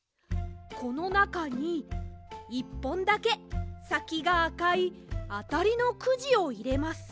このなかに１ぽんだけさきがあかいあたりのくじをいれます。